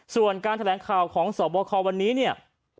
ส่วนการแถลงข่าวของสอบโบคอลวันนี้